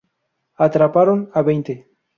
Atraparon a veinte.